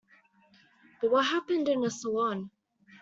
But what happened in the salon?